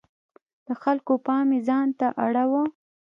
د خلکو پام یې ځانته اړاوه.